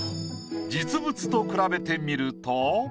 実物と比べてみると。